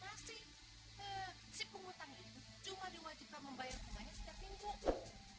kasih si penghutang itu cuma diwajibkan membayar bunganya setiap minggu